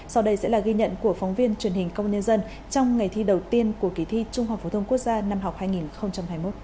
sau đây sẽ là ghi nhận của phóng viên truyền hình công an nhân dân trong ngày thi đầu tiên của kỳ thi trung học phổ thông quốc gia năm học hai nghìn hai mươi một